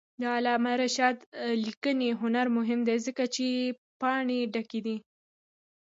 د علامه رشاد لیکنی هنر مهم دی ځکه چې پاڼې ډکې دي.